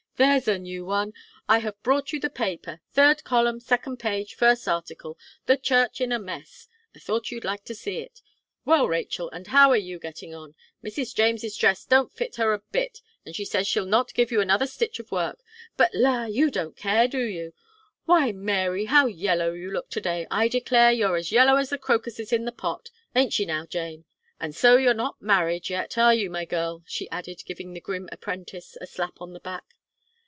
There's a new one. I have brought you the paper; third column, second page, first article, 'The Church in a Mess.' I thought you'd like to see it. Well, Rachel, and how are you getting on? Mrs. James's dress don't fit her a bit, and she says she'll not give you another stitch of work: but la! you don't care do you? Why, Mary, how yellow you look to day. I declare you're as yellow as the crocuses in the pot. Ain't she now, Jane? And so you're not married yet are you, my girl?" she added, giving the grim apprentice a slap on the back.